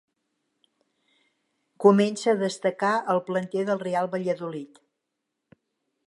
Comença a destacar al planter del Real Valladolid.